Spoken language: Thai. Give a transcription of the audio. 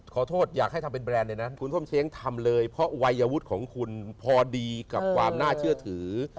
ขอโทษอยากให้ทำเป็นแรนดในนั้นคุณส้มเช้งทำเลยเพราะวัยวุฒิของคุณพอดีกับความน่าเชื่อถือ